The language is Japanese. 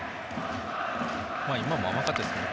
今も甘かったですけどね。